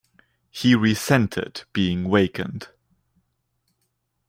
He resented being wakened.